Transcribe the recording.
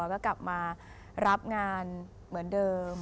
แล้วก็กลับมารับงานเหมือนเดิม